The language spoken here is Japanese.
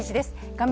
画面